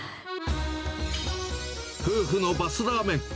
夫婦のバスラーメン。